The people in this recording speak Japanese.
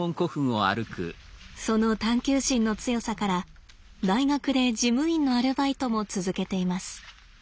その探究心の強さから大学で事務員のアルバイトも続けています。